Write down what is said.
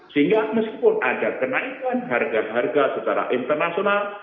sehingga meskipun ada kenaikan harga harga secara internasional